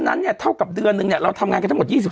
นั้นเนี่ยเท่ากับเดือนนึงเนี่ยเราทำงานกันทั้งหมด๒๕